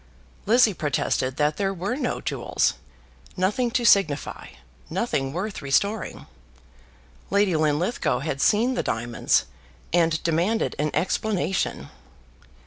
Lizzie protested that there were no jewels, nothing to signify, nothing worth restoring. Lady Linlithgow had seen the diamonds, and demanded an explanation.